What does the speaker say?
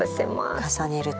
重ねると。